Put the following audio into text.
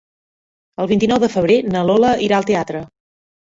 El vint-i-nou de febrer na Lola irà al teatre.